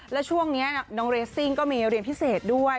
แล้วช่วงนี้น้องเรสซิ่งก็มีเรียนพิเศษด้วย